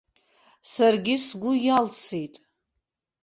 Саргьы сгәы иалсит.